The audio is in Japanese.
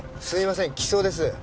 すいません機捜です